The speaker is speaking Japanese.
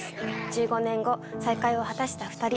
１５年後再会を果たした２人。